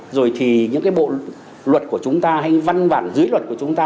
rồi thì những cái bộ luật của chúng ta hay văn bản dưới luật của chúng ta